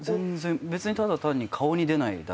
別にただ単に顔に出ないだけだと思います。